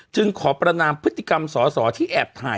จึงขอประนามพฤติกรรมสอสอที่แอบถ่าย